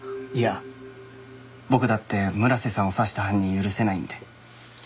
いや僕だって村瀬さんを刺した犯人許せないんで。